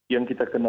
yang kita kenalikan